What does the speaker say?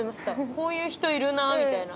こういう人いるなみたいな。